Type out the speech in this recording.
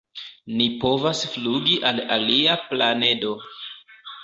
"Ni povas flugi al alia planedo!"